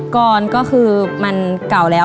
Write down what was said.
กรก็คือมันเก่าแล้ว